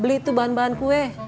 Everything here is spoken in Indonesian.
beli tuh bahan bahan kue